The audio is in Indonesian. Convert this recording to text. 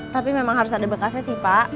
tapi memang harus ada bekasnya sih pak